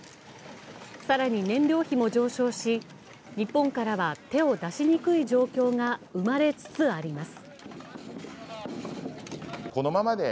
更に燃料費も上昇し、日本からは手を出しにくい状況が生まれつつあります。